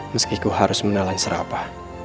meskiku harus menalan serapa